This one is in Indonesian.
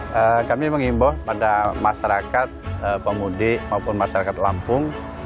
ya kami mengimbau pada masyarakat pemudik maupun masyarakat lampung